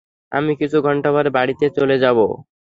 আমি কিছু ঘন্টা পরে বাড়িতে চলে যাব।